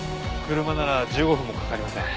車なら１５分もかかりません。